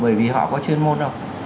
bởi vì họ có chuyên môn đâu